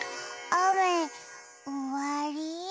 あめおわり？